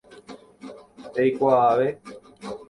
Eikuaave.